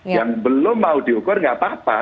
yang belum mau diukur nggak apa apa